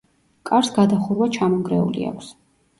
კარს გადახურვა ჩამონგრეული აქვს.